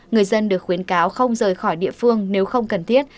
người dân được khuyến cáo không rời khỏi địa phương nếu không cần thiết